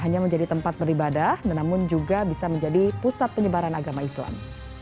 hanya menjadi tempat beribadah namun juga bisa menjadi pusat penyebaran agama islam